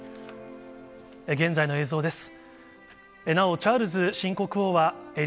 現在の映像です。